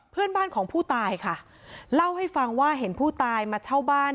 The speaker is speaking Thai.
เพื่อนบ้านของผู้ตายค่ะเล่าให้ฟังว่าเห็นผู้ตายมาเช่าบ้าน